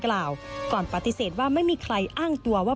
เขาก็เลยขี่รถหนีไปเซเว่น